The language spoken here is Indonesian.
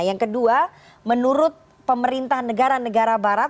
yang kedua menurut pemerintah negara negara barat